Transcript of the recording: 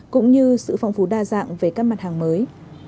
cũng như sự phong phú đa dạng về các mặt hàng mới